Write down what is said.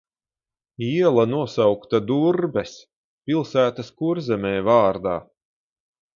Iela nosaukta Durbes – pilsētas Kurzemē – vārdā.